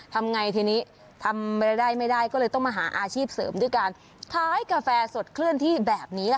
ทำไงทีนี้ทำไม่ได้ไม่ได้ก็เลยต้องมาหาอาชีพเสริมด้วยการขายกาแฟสดเคลื่อนที่แบบนี้ค่ะ